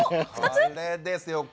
これですよ。